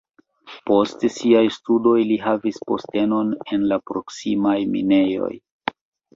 Post siaj studoj li havis postenon en la proksimaj minejoj.